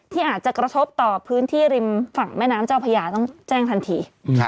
อาจจะกระทบต่อพื้นที่ริมฝั่งแม่น้ำเจ้าพญาต้องแจ้งทันที